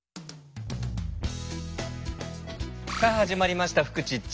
さあ始まりました「フクチッチ」。